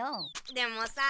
でもさ